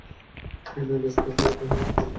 বিনয় ব্যস্ত হইয়া কহিল, কী বলেন, কীই বা করেছি।